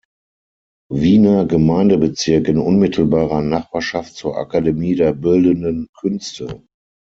Wiener Gemeindebezirk, in unmittelbarer Nachbarschaft zur Akademie der bildenden Künste.